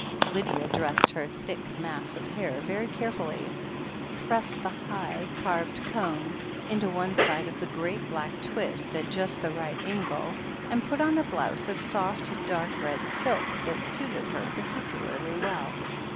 Lydia dressed her thick mass of hair very carefully, thrust the high, carved comb into one side of the great THE HEEL OF ACHILLES 185 black twist at just the right angle, and put on a blouse of soft, dark red silk that suited her particularly well.